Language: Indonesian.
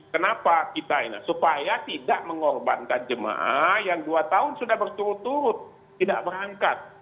kenapa kita ini supaya tidak mengorbankan jemaah yang dua tahun sudah berturut turut tidak berangkat